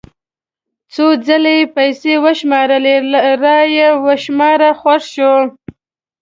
څو ځله یې پیسې وشمارلې را یې وشماره خوښ شو.